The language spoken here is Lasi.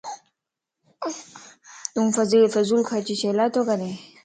تون فضول خرچي ڇيلا تو ڪرين؟